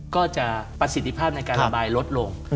ก็จะประสิทธิภาพในการระบายลดลง